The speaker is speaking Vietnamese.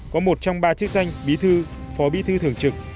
có một trong ba chức danh bí thư phó bí thư thường trực